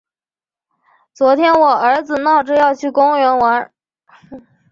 昨天我儿子闹着要去公园玩。